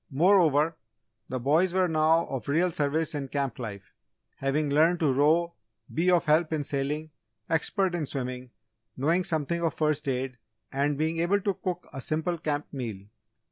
Moreover, the boys were now of real service in camp life, having learned to row, be of help in sailing, expert in swimming, knowing something of first aid, and being able to cook a simple camp meal.